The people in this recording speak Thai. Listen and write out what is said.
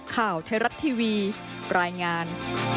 ข่าวไทยรัฐทีวีรายงาน